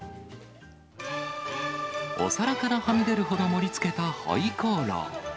お皿からはみ出るほど盛りつけたホイコーロー。